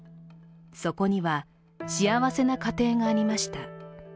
そこには幸せな家庭がありました。